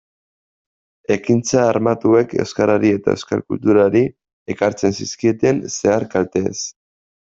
Ekintza armatuek euskarari eta euskal kulturari ekartzen zizkieten zehar-kalteez.